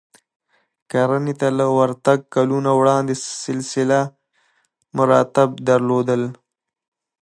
کرنې ته له ورتګ کلونه وړاندې سلسله مراتب درلودل